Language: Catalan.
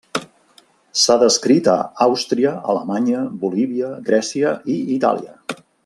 S’ha descrit a Àustria, Alemanya, Bolívia, Grècia i Itàlia.